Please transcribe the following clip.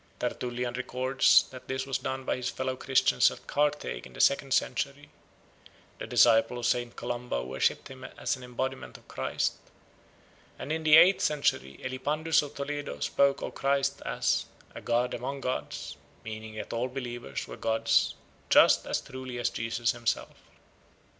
Tertullian records that this was done by his fellow Christians at Carthage in the second century; the disciples of St. Columba worshipped him as an embodiment of Christ; and in the eighth century Elipandus of Toledo spoke of Christ as "a god among gods," meaning that all believers were gods just as truly as Jesus himself.